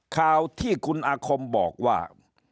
ข่าวที่คุณอาคมบอกว่า